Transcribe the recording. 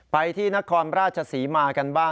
ไปที่นครราชศรีมากันบ้าง